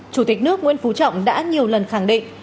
chủ tịch nước nguyễn phú trọng đã nhiều lần khẳng định